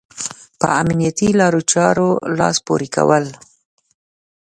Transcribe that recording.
په امنيتي لارو چارو لاس پورې کول.